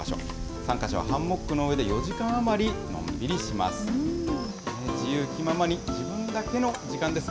参加者はハンモックの上で４時間余りのんびりします。